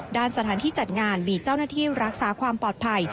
สถานที่จัดงานมีเจ้าหน้าที่รักษาความปลอดภัย